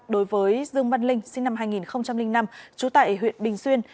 đối với dương văn linh sinh năm hai nghìn năm trú tại huyện bình xuyên